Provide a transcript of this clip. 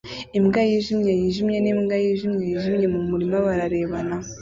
Imbwa yijimye yijimye n'imbwa yijimye yijimye mu murima bararebana